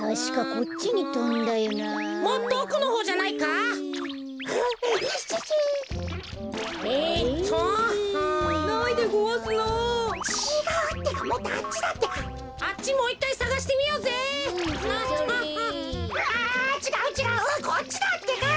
こっちだってか！